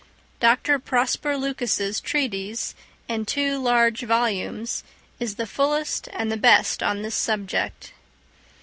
Dr. Prosper Lucas' treatise, in two large volumes, is the fullest and the best on this subject.